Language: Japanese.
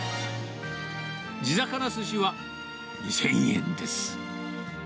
地魚すしは２０００円です。